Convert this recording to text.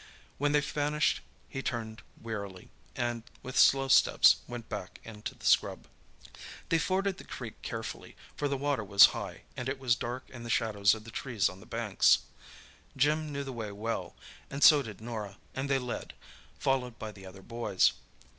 When they vanished he turned wearily and, with slow steps, went back into the scrub. They forded the creek carefully, for the water was high, and it was dark in the shadows of the trees on the banks. Jim knew the way well, and so did Norah, and they led, followed by the other boys.